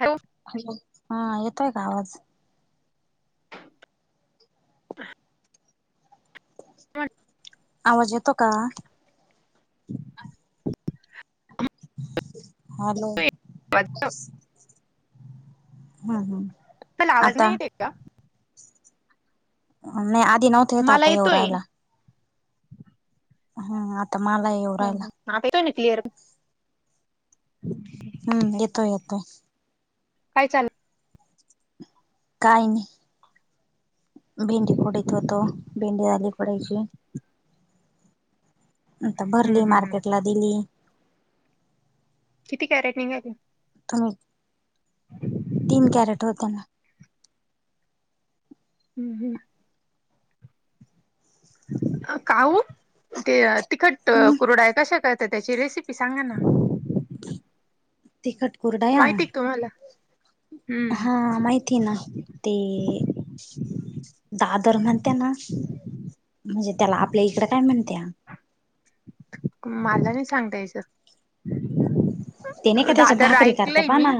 हॅ हॅलो हा येतोय का आवाज आ वा ज ये तो का हॅलो हम हम् ला आवाज नाही येते का नाही आधी नव्हतेत मला आता येव येतोय राहायला हम् आता मला येवरायला ह काोय क्लिअर ह हम्म येतोय येतोय काय चाल काही नाही भेंडी कडीत होतो भेंडी झाली करायची नंत हम्म भरली हम्म हम्म मार्केटला दिली किती कॅरेट निघा [unintelligible] तीन कॅरेट होते ना हम् हम् काहू ते तिखट हम्म कुरडाय कशा करत त्याची रेसिपी सांगा ना तिकट कुरडया त्हाला हा माहिती आहे ना ते दादर म्हणत्या ना म्हणजे त्याला आपल्या इकडे काय म्हणत्या माझं नाही सांगतायचं. [unintelligible] ते नाही का त्याच्या दादर भाकरी करते ऐकलंय प मी ना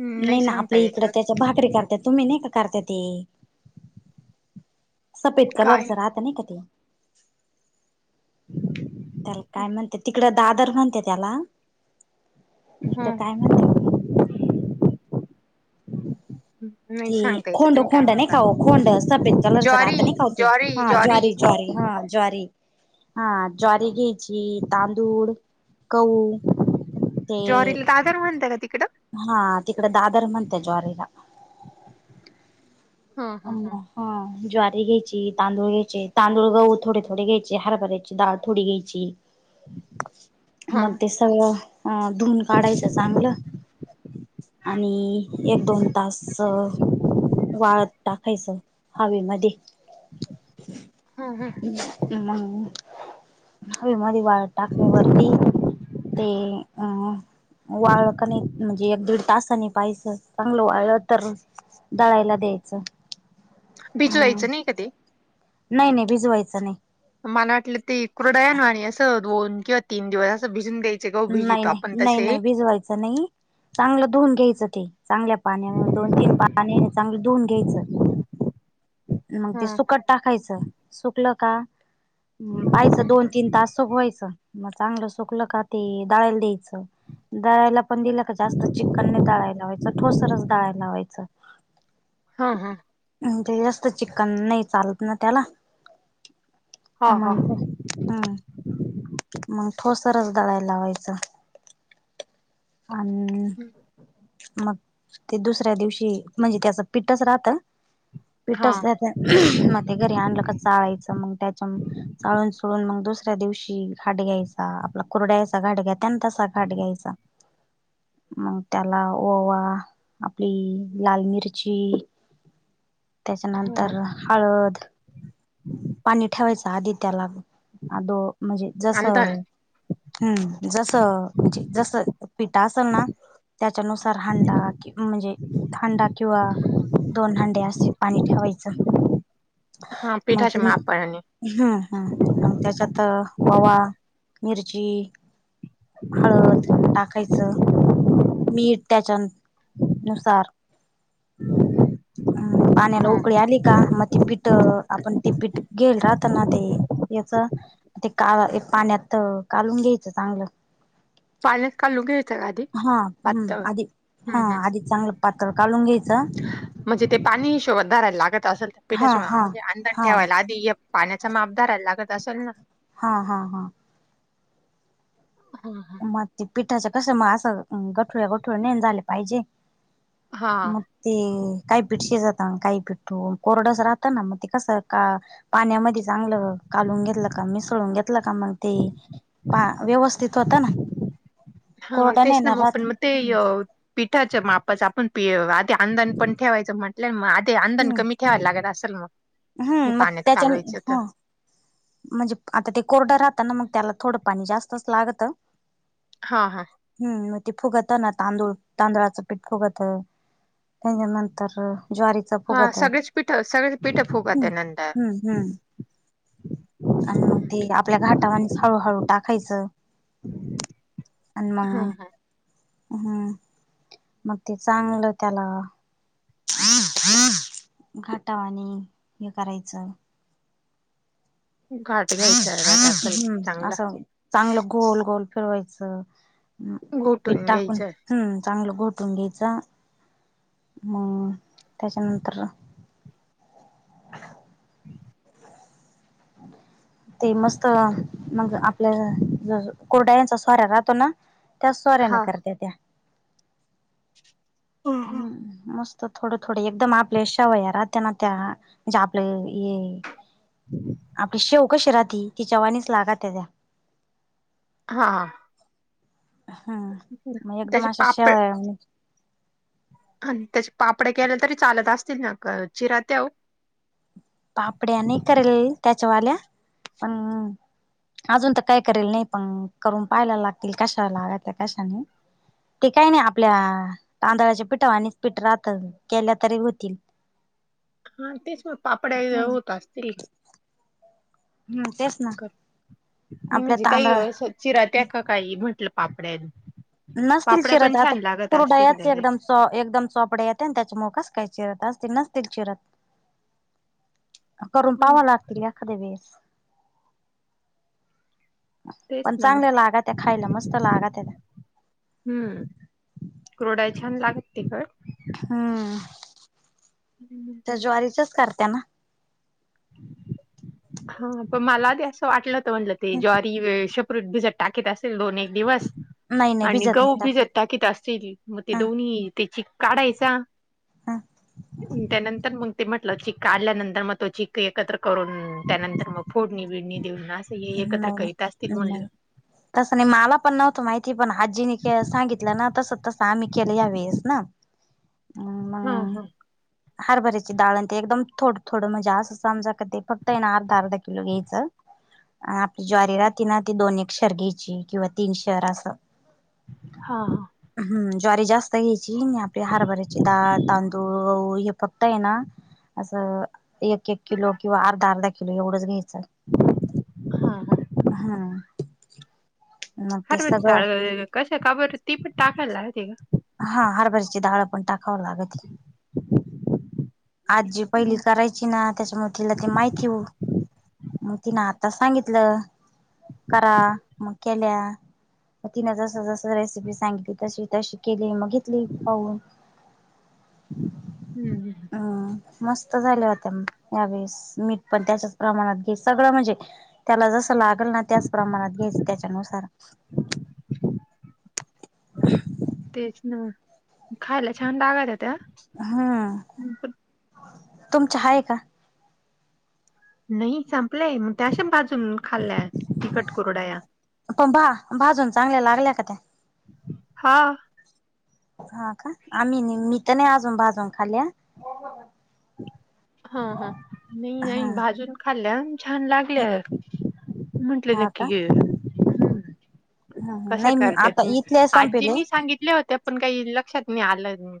हं, नाही ना सांगता आपल्या इकड यायचं त्या भाकरी करते तुम्ही नाही का करता ती सफेद काय कलरच राह क नाही का ते. [unintelligible] त्याला काय म्हणते तिकडे दादर म्हणते त्याला इकड हं काय म्हणते? नाही त सांगता यायचं खोंड तुम्ही काय खोंड नाही म्हणताय काऊ खोंड सफेद कलरच ज्वारी राहत नाही काऊ ते ज्वारी हा ज्वारी. ज्वारी हा. ज्वारी हा ज्वारी घ्यायची तांदूळ गहू ते जॉरला ताजारण म्हणत का तिकडं. हा तिकडे दादर म्हणते ज्वारीला. हं आ हं हं ना हा ज्वारी घ्यायची तांदूळ घ्यायचे तांदूळ गहू थोडे थोडे घ्यायचे हरभरायची डाळ थोडी घ्यायची. मग हं ते सगळं अ धुून काढायचं चांगलं. आणि एक दोन तास वाळ टाकायच हवे मध्ये हं हं ह्. हम हवी मधी वाट टाकल्या वरती ते. अ वाळ का नाही म्हणजे एक दीड तासानी पाहिचं चांगलं वाळलं तर. दळायला द्यायचं. भिज हम्म लायचं नाही का ते. नाही नाही भिजवायचं नाही. मला वाटलं ते कुरडयांवणी आहे ना आणि असं दोन किंवा तीन दिवस असं भिजून द्यायच नाही नाही नाही नाही भिजवायचं नाही चांगलं धुऊून घ्यायचं ते. चांगल्या पाण्याने दोन तीन पाण्या चांगलं धुून घ्यायचं. मग हा ते सुकत टाकायचं सुकल का पाहिचं दोन तीन तास सुकवायचं मग चांगलं सुकल का ते दळायला द्यायचं. दळायला पण दिलं का जास्त चिकनने डळाळ ला्हायचं ठोसरच दळायला लावायचं. हा हा. म्ह ते जास्त चिकन नाही चालत ना त्याला हा हा मग. हम्म. मग ठोसरच दळायला लावायचं अ. मग ते दुसऱ्या दिवशी म्हणजे त्याच पिठच राहत हा पिठच त्या मग ते घरी आणलं का चाळायचं मग त्याच्या चाळून सोळून मग दुसऱ्या दिवशी. घाट घ्यायचा आपला कुरड्याचा घाट घ्या त्यान तसा घाट घ्यायचा. मग त्याला ओवा आपली लाल मिरची. त्याच्यानंतर. हा हळद पाणी ठेवायच आधी त्याला आदो जस आणता ना हम्म जस म्हणजे जस पिठा असल ना. त्याच्यानुसार हांडा म्हणजे हांडा किंवा. दोन हांडे असे पाणी ठेवायचं. हा मग पिठाच्या मापाने तुम्ही हम् हम् मग त्याच्यात. ववा, मिरची, हळद, टाकायचं. मीठ त्याच्यान नुसार. हम पाण्याला हा उकळी हा आली का मग ती पीठ आपण ती पीठ गेल राहताना ते याच ते का पाण्यात कालून घ्यायचं चांगलं. पाण्यात कालू घ्यायचं ग आधी. हा हम्म पातळ आधी हम्म हा हम्म आधी चांगलं पातळ कालून घ्यायचं. म्हणजे ते पाणी ह शोधारायला लागत असेल तर हा पिठाच्या हा म्हणजे अंंदण हा ठेवायला आधी. पाण्याचा मापदार लागत असेल ना. हा हा हा. हा. मग ते पिठा असं कसं मा असं गठुळ्या गठुळ्या नाही ना झाले पाहिजे हा मग ते काही पिठ शेजात काही पिठू कोरडस राहतं ना मग ते कसं का पाण्यामध्ये चांगलं कालून घेतलं का मिसळून घेतलं का मग ते पा व्यवस्थित स्वतः ना हा कोरडा नाही तेच ना येणार मग राहत पण मग ते हम्म य पिठाचा मापचा आपण पी अ आदी आंदन पण ठेवायचं म्हटलं म आदी अंदण कमी ठेवाय लागत असेल मग? हे हम्म मग पाण्यात त्याच्या कालवायचं तर हा. म्हणजे आता ते कोरडं राहतं ना मग त्याला थोडं पाणी जास्तच लागतं. हा हा. हम्म मग ते फुगतं ना तांदूळ तांदळाचं पीठ फुगतं. त्याच्या नंतर ज्वारी हा सगळेच पीठं सगळेच पीठं फुगाते नंतर हम्म हम्म आणि मग ते आपल्या घाटामध्येस हळूहळू टाकायचं. आणि ह मंग ह हम्म. मग ते चांगलं त्याला घाटा आणि हे करायचं. घाट घ्यायचं रातं असल हम्म चांगला. असं चांगलं गोल-गोल फिरवायचं पीठ घोटून टाकून घ्यायचंय हम्म चांगलं गोटून घ्यायचं म त्याच्यानंतर ह अ ते मस्त मग आपल्या ज कोरडायांचा सारा राहतो ना त्या सोऱ्याने हा करत्या त्या. हा हम्म मस् त थोडं थोडे एकदम आपले शावइया राहत्या त्या म्हणजे आपले ये आपली शेव कशी राहती तिच्यावाणीच लागा त्याजा हा. म एकदम त्याचे अशा श पापड नी आणि त्याचे पापडे केला तरी चालत असतील ना का चिरात्या ओ. पापड्याने करेल त्याच्यावाल्या पण अजून तर काही करेल नाही पण करून पहायला लागतील कशाला लागा त्या कशाने ते काही नाही आपल्या तांदळाच्या पिठा आणिच पीठ राहतं केल्या तरी होतील. हा तेच मग पापडा हे होत असतील. हम्म तेच ना क नी मी आपल्या जी ताई तांदळा स चिरात्या का काही म्हटलं पापड्यान नशतील चिरत आता पूर्डायाच एकदम त्याच्या चो एकदम चोपडे येते आणि त्याच्या मोखच काही चिरत असतील नसतील चिरत करून पाव्हा लागतील एखादे वीस तेच पण ना मग चांगले लागत हाय खायला मस्त लागा त्याला हम्म क्रोडाय छान लागत ते खड हम्म. तिखट त्या ज्वारीचच करता ना? हा पण मला ते असं वाटलं तर म्हटलं ते ज्वारी वे शेपरेट भिजत टाकीत असेल दोन एक दिवस नाही नाही आणि भिजत नाही गहूं टाकत भिजत टा कित असतील मग ते हा दोन्ही त्याची काढायचा हा त्यानंतर मंग ते म्हटलं चिक आल्यानंतर मग तो चिक्क एकत्र करून त्यानंतर मग फोडणी बिडणी देऊन असं हे एकत्र नाही करीत असतील नाही नाही म्हटलं. तसं नाही मला पण नव्हतं माहिती पण आजीने सांगितलं ना तसं तसं आम्ही केलं यावेळेस ना. हा हा. हरभरीची डाळण ते एकदम थोड थों म्हणजे असं समजा ते फक्त आहे ना अर्धा अर्धा किलो घ्यायचं. आणि आपली ज्वारी राहते ना ती दोन एक शरगीची किंवा तीन शहर असं. हा हा. हम् ज्वारी जास्त घ्यायची आपल्या हारभराची दाळ तांदूळ गहु हे फक्त आहे ना असं एक एक किलो किंवा अर्धा अर्धा किलो एवढंच घ्यायचं. हा हा. हा. हरभरा डाळ कश काबर ती पण टाकायला लागते का. हा हरभरची डाळ पण टाकाव लागती. [unintelligible] आजी पहिली हम्म करायची ना त्याच्यामुळे तिला ती माहिती हो मग ति ना आ आता सांगितलं करा मग केल्या. मग तिन जसं जसं रेसिपी सांगितली तशी तशी केली मघितली पाहून. हम् ह. हम् मस्त झाल्या होत्या यावेेळेस मीठ पण त्याच्याच प्रमाणात घे सगळं म्हणजे, त्याला जसं लागेल ना त्याच प्रमाणात घ्यायचं त्याच्यानुसार. हम. तेच ना खायला छान लागत. होत्या. हम्म पण तुमचहाय का? नाही संपलंय मग त्याशा बाजून खाल्ल्या तिखट कोरडा या. पण भा भाजून चांगल्या लागल्या का त्या. हो. हा का आम्ही नाही मी तर नाही अजून भाजून खाल्ल्या. हा हा नाही नाही हा भाजून खाल्ल्या छान लागल्या म्हंटले हा नक्की का ग ह कसं नाही करते आता इथल्या संपेले आजीनी सांगितले होते पण काही लक्षात नाही आलं.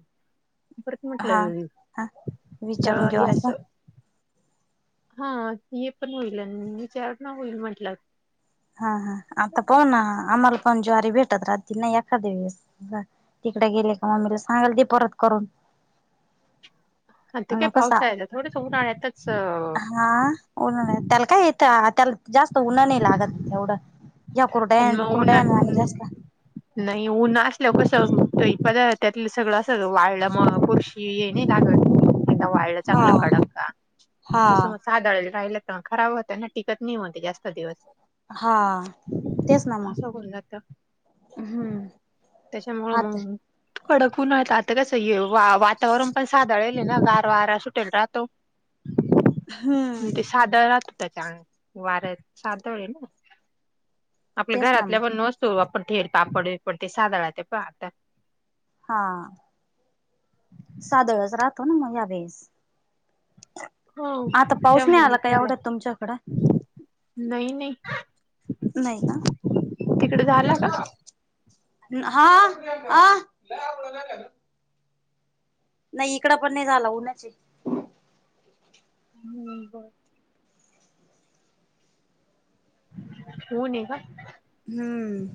परत हा म्हटलं हा विचारून तर घेऊ यास असं हा हे पण होईल आणि विचारणा होईल म्हटलं. हा हा आता पाहुना आम्हाला पण ज्वारी भेटत राहती ना एका दिवस. तिकडे गेले का मम्मीला सांगल दे परत करून. अ ते काय मग कसा पावसा य थोडस उन्हाळ्यातच उन त्याला काय येत त्याला जास्त उन्हा नाही लागत एवढं. ज्या कुरड्या पण मग ऊन कुरड्या अन्ने जास्त. नाही ऊन असल्या कस त्यातलं सगळं अस वालं म पुरशी ये नाही द एक वालं हा चांगलं कडक का हा तस म साधळ राहिले पण खराब होतना टिकत नाही होते जास्त दिवस. हा. तेच ना म असं होऊन जातं हम्म त्याच्यामुळं आता. मग कडक उन्हात आता कसं हे वातावरण पण साधळ येले ना गार वारा सुटेल राहतो. हम्म. सादळात होता चांग वऱ्या सादळ आहे ना. आपल्या तेच ना घरातल्या मग पणसतो आपण थेट पापड पण ते साधळा ते पतात. हां. सादळच राहतो ना मग यावेेळेस. हो आता पाऊस नाही त्यामुळे आला काय विकायला एवढ्या तुमच्याकड. नाही नाही नाही तिकडे झाला का? का. [unintelligible] नाही इकड पण नाही झाला उन्हाची. हम्म बर. होऊ न का. हम्म.